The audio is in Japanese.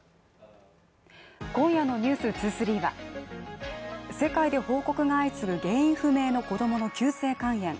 今夜の「ｎｅｗｓ２３」は世界で報告が相次ぐ原因不明の子供の急性肝炎。